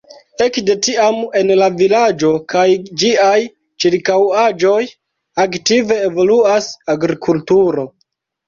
Ekde tiam en la vilaĝo kaj ĝiaj ĉirkaŭaĵoj aktive evoluas agrikulturo.